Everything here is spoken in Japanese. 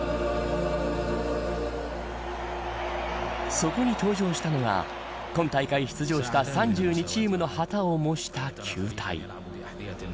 そこに登場したのが今大会出場した３２チームの旗を模した球体。